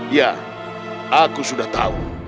iya aku sudah tahu